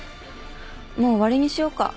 もう終わりにしようか。